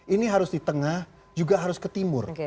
ini harus di tengah juga harus ke timur